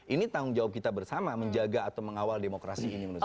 ini tanggung jawab kita bersama menjaga atau mengawal demokrasi ini menurut saya